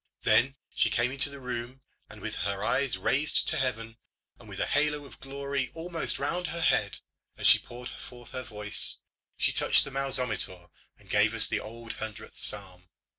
Then she came into the room, and, with her eyes raised to heaven, and with a halo of glory almost round her head as she poured forth her voice, she touched the mousometor, and gave us the Old Hundredth psalm.